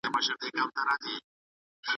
ځواني د سهار د پرخې په څېر ډېره ژر له منځه لاړه.